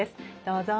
どうぞ。